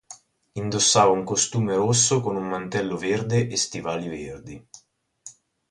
Indossava un costume rosso con un mantello verde e stivali verdi.